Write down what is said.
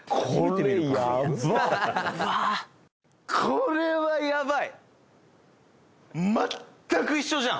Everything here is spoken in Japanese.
「これはやばい！」